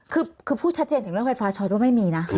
คือพูดชัดเจนถึงเรื่องไฟฟ้าช็อตว่าไม่มีนะ